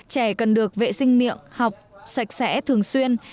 trẻ cần được vệ sinh miệng học sạch sẽ thường xuyên